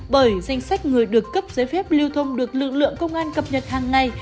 bởi danh sách người được cấp giấy phép lưu thông được lực lượng công an cập nhật hàng ngày